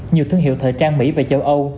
nhiều thương hiệu thời trang mỹ và châu âu